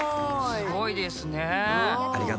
すごいですね。